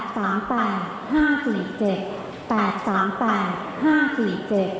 ตอนที่๒๔ร้านที่๒๓